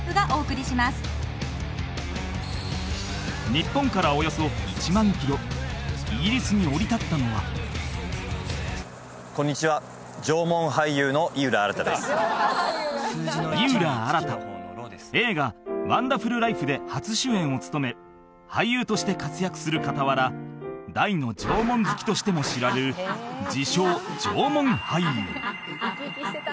日本からおよそ１万キロイギリスに降り立ったのはこんにちは井浦新映画「ワンダフルライフ」で初主演を務め俳優として活躍する傍ら大の縄文好きとしても知られる自称